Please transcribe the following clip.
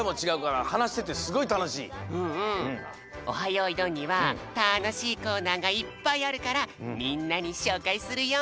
よいどん」にはたのしいコーナーがいっぱいあるからみんなにしょうかいするよ！